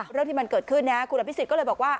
เรื่องที่มันเกิดขึ้นคุณอภิษฎก็เลยบอกว่า